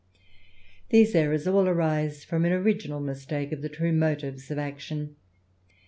These errors all arise from an original mistake of the true motives of action.